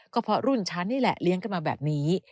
ก็เพราะรุ่นฉันนี่แหละเลี้ยงกันมาแบบนี้